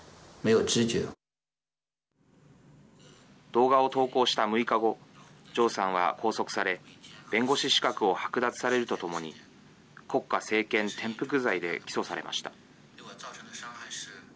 動画を投稿した６日後常さんは拘束され弁護士資格を剥奪されるとともに国家政権転覆罪で起訴されました。